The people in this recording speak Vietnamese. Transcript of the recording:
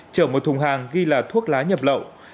chở một thùng hàng ghi là thuốc lá nhập lậu